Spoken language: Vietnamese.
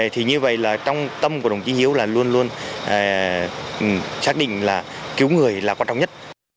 thì như vậy là trong tâm của đồng chí hiếu là luôn luôn xác định là cứu người là quan trọng nhất